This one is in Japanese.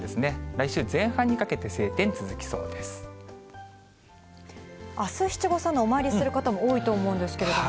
来週前半にかけて、晴天続きそうあす、七五三のお参りする方も多いと思うんですけれども。